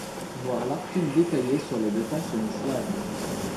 Voir l'article détaillé sur la défense semi-slave.